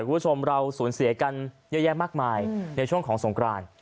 คุณผู้ชมเราสูญเสียกันเยอะแยะมากมายในช่วงของสงคราน